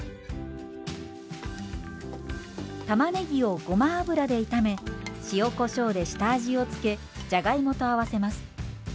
たまねぎをごま油で炒め塩こしょうで下味を付けじゃがいもと合わせます。